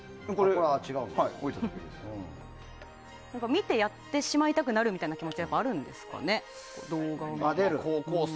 見てやってしまいたくなるみたいな気持ちはあるんですかね。